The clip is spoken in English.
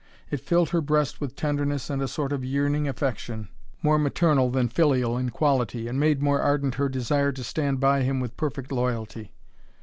It filled her breast with tenderness and a sort of yearning affection, more maternal than filial in quality, and made more ardent her desire to stand by him with perfect loyalty.